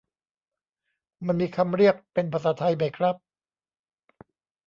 มันมีคำเรียกเป็นภาษาไทยไหมครับ